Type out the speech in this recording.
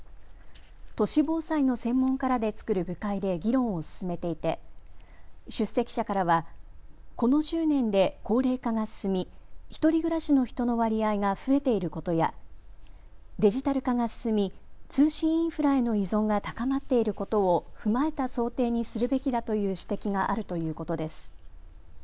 都市防災の専門家らで作る部会で議論を進めていて出席者からはこの１０年で高齢化が進み１人暮らしの人の割合が増えていることやデジタル化が進み通信インフラへの依存が高まっていることを踏まえた想定にするべきだという指摘があるということです。